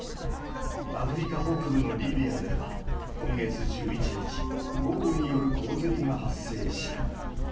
アフリカ北部のリビアでは、今月１１日、豪雨による洪水が発生した。